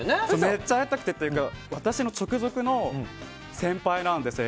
めっちゃ会いたくて私の直属の先輩なんです。